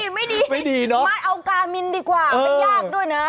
ไม่ดีมาเอากามินดีกว่ามันยากด้วยนะ